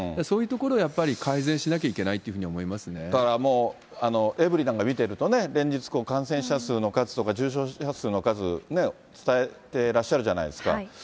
そういうところをやっぱり改善しなきゃいけないっていうふうに思だから、エブリィなんか見てますとね、連日、感染者数の数とか重症者数の数伝えてらっしゃるじゃないですか。